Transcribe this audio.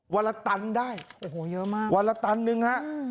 เวลาตันได้โอ้โหเยอะมากเวลาตันนึงฮะ